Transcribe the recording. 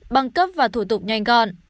băng cấp và thủ tục nhanh gọn